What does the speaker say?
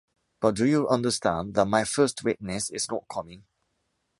But do you understand that my first witness is not coming?